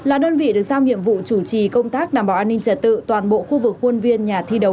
là đơn vị được giao nhiệm vụ chủ trì công tác đảm bảo an ninh trả tự toàn bộ khu vực quân viên nhà